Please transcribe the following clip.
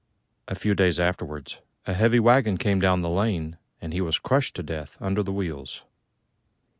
A few days afterwards a heavy waggon came down the lane, and he was crushed to death under the wheels.